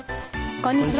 こんにちは。